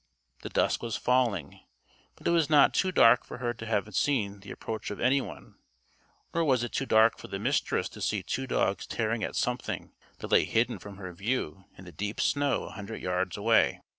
The dusk was falling, but it was not too dark for her to have seen the approach of anyone, nor was it too dark for the Mistress to see two dogs tearing at something that lay hidden from her view in the deep snow a hundred yards away.